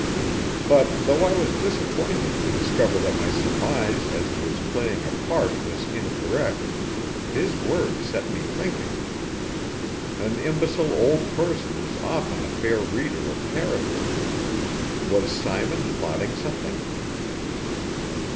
But, though I was disappointed to discover that my surmise as to his playing a part was incorrect, his words set me thinking. An imbecile old person is often a fair reader of character. Was Simon plotting something?